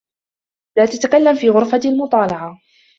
لا تتكلم في غرفة المطالعة.